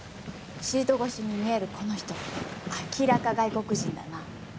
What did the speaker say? シート越しに見えるこの人明らか外国人だな。